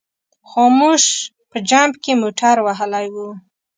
خاموش په جمپ کې موټر وهلی و.